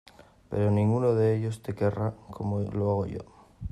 Pero ninguno de ellos te querrá como lo hago yo.